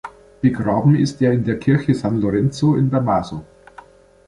Begraben ist er in der Kirche San Lorenzo in Damaso.